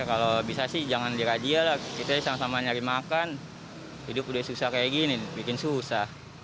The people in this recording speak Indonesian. kalau bisa sih jangan dirajia lah kita sama sama nyari makan hidup udah susah kayak gini bikin susah